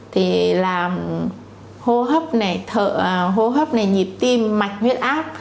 thì là hô hấp này nhịp tim mạch huyết áp